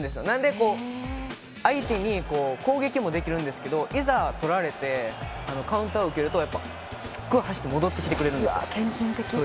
なのでこう相手に攻撃もできるんですけどいざ取られてカウンター受けるとやっぱすっごい走って戻って来てくれるんですよ。